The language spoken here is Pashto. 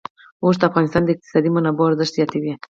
اوښ د افغانستان د اقتصادي منابعو ارزښت زیاتوي.